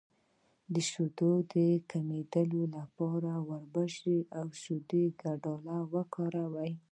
د شیدو د کمیدو لپاره د وربشو او شیدو ګډول وکاروئ